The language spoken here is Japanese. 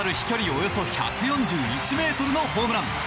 およそ１４１ｍのホームラン。